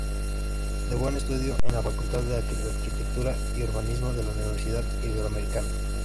De Buen estudió en la Facultad de Arquitectura y Urbanismo de la Universidad Iberoamericana.